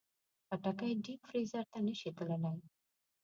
خټکی ډیپ فریزر ته نه شي تللی.